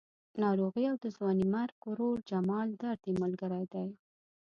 ناروغي او د ځوانې مرګ ورور جمال درد یې ملګري دي.